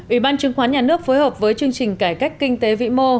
ủy ban chứng khoán nhà nước phối hợp với chương trình cải cách kinh tế vĩ mô